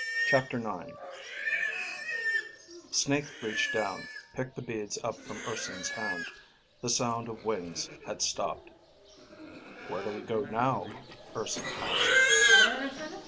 CHAPTER IX Snake reached down, picked the beads up from Urson's hand. The sound of wings had stopped. "Where do we go now?" Urson asked.